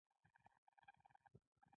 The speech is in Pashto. • لور د کور د ښکلا ګل وي.